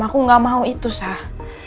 aku gak mau itu sah